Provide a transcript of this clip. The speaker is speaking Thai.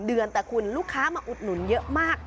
เดือนแต่คุณลูกค้ามาอุดหนุนเยอะมาก